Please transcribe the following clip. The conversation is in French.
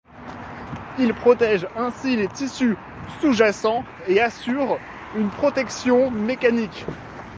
Il protège ainsi les tissus sous-jacent et assure une protection mécanique.